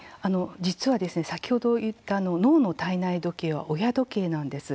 実は先ほど言った脳の体内時計は親時計なんです。